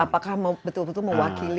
apakah betul betul mewakili sebuah warga